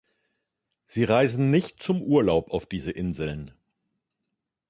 Sie reisen nicht zum Urlaub auf diese Inseln.